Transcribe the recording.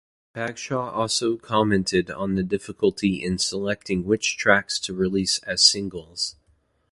Bagshaw also commented on the difficulty in selecting which tracks to release as singles.